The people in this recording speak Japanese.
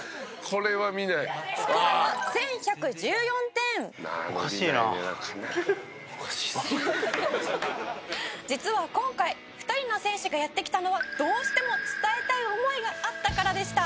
「これは見ない」「スコアは１１１４点」「実は今回２人の選手がやって来たのはどうしても伝えたい思いがあったからでした」